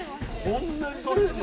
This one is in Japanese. こんなにとれるの？